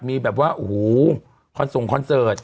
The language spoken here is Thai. มีแบบว่าโอ้โหคอนส่งคอนเสิร์ต